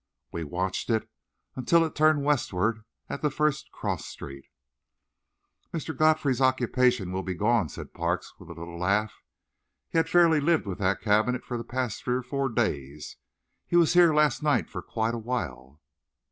We watched it until it turned westward at the first cross street. "Mr. Godfrey's occupation will be gone," said Parks, with a little laugh. "He has fairly lived with that cabinet for the past three or four days. He was here last night for quite a while."